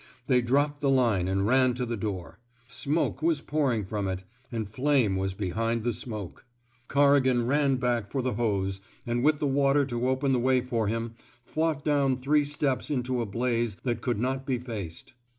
They dropped the line and ran to the door. Smoke was pouring from it; and flame was behind the smoke. Corrigan ran back for the hose, and with the water to open the way for him, fought down three steps into a blaze that could not be faced.